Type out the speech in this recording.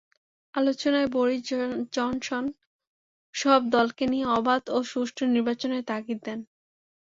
আলোচনায় Boris Johnson সব দলকে নিয়ে অবাধ ও সুষ্ঠু নির্বাচনের তাগিদ দেন।